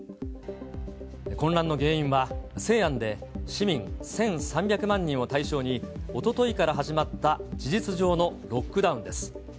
混乱の原因は、西安で市民１３００万人を対象に、おとといから始まった事実上のロックダウンです。